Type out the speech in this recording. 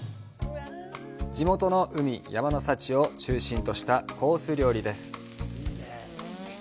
地元の海山の幸を中心としたコース料理です。